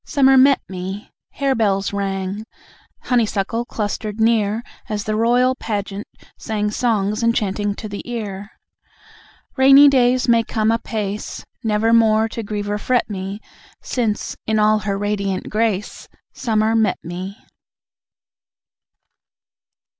Summer met me! Harebells rang, Honeysuckle clustered near, As the royal pageant sang Songs enchanting to the ear. Rainy days may come apace, Nevermore to grieve or fret me, Since, in all her radiant grace, Summer met me!